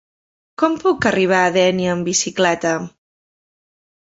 Com puc arribar a Dénia amb bicicleta?